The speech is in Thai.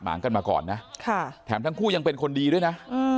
หงกันมาก่อนนะแถมทั้งคู่ยังเป็นคนดีด้วยนะ